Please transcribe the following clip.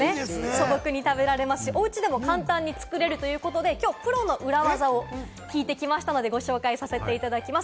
素朴に食べられますし、おうちでも簡単に作れるということできょうはプロの裏技を聞いてきましたので、ご紹介させていただきます。